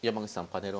パネル